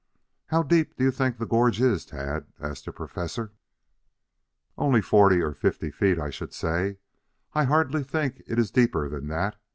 "How deep do you think the gorge is, Tad?" asked the Professor. "Oh, forty or fifty feet, I should say. I hardly think it is deeper than that.